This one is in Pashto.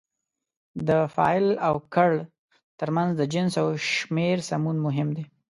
د فاعل او کړ ترمنځ د جنس او شمېر سمون مهم دی.